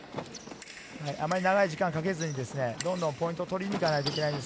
あまり長い時間かけずに、どんどんポイントを取りに行かないといけないです。